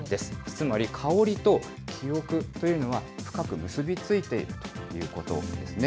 つまり、香りと記憶というのは、深く結び付いているということですね。